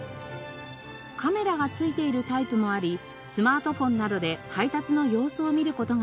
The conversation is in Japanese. カメラがついているタイプもありスマートフォンなどで配達の様子を見る事ができます。